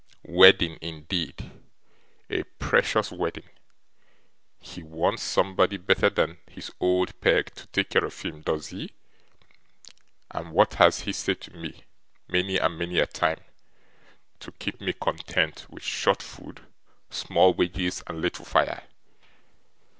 'Wedding indeed! A precious wedding! He wants somebody better than his old Peg to take care of him, does he? And what has he said to me, many and many a time, to keep me content with short food, small wages, and little fire?